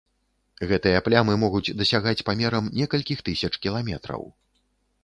Гэтыя плямы могуць дасягаць памерам некалькіх тысяч кіламетраў.